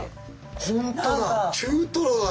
本当だ中トロだ。